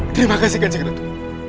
terima kasih kan jenggara itu